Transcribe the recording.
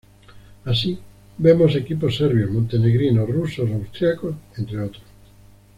Así, vemos equipos serbios, montenegrinos, rusos o austriacos, entre otros.